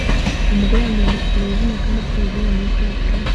Umugore yambaye ingofero yijimye kandi atwaye igare muri parike